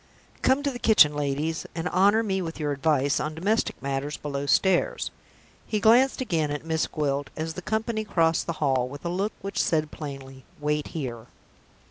Come to the kitchen, ladies, and honor me with your advice on domestic matters below stairs." He glanced again at Miss Gwilt as the company crossed the hall, with a look which said plainly, "Wait here."